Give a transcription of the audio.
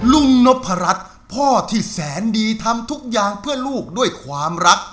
นพรัชพ่อที่แสนดีทำทุกอย่างเพื่อลูกด้วยความรัก